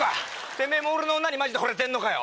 てめぇも俺の女にマジでほれてんのかよ？